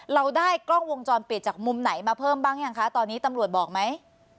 เราได้กล้องวงจรปิดจากมุมไหนมาเพิ่มบ้างยังคะตอนนี้ตำรวจบอกไหม